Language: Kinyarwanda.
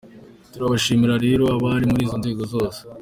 Turabibashimira rero abari muri izo nzego zose.